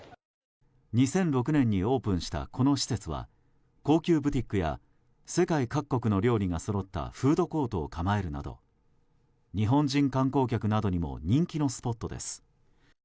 ２００６年にオープンしたこの施設は高級ブティックや世界各国の料理がそろったフードコードを構えるなど日本人観光客などにも人気のスポットです。